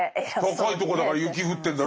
高いとこだから雪降ってんだろ？